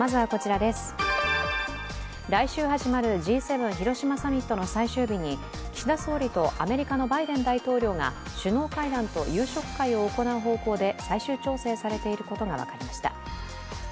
来週始まるＧ７広島サミットの最終日に、岸田総理とアメリカのバイデン大統領が首脳会談と夕食会を行う方向で最終調整されていることが分かりました。